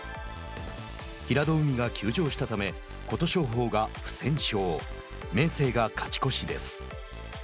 平戸海が休場したため琴勝峰が不戦勝明生が勝ち越しです。